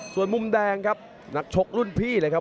ส่วนมุมแดงครับนักชกรุ่นพี่เลยครับ